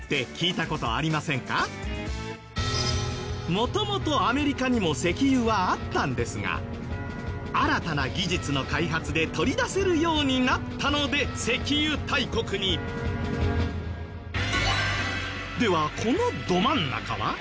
もともとアメリカにも石油はあったんですが新たな技術の開発で採り出せるようになったので石油大国に。ではこのど真ん中は。